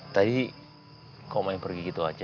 tadi kamu mau pergi begitu saja